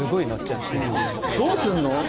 今どうすんの？